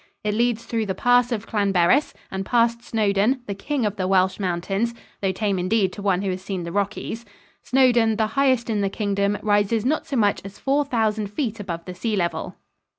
It leads through the Pass of Llanberis and past Snowdon, the king of the Welsh mountains though tame indeed to one who has seen the Rockies. Snowdon, the highest in the Kingdom, rises not so much as four thousand feet above the sea level.